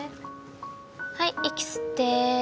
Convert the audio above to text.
はい息吸って。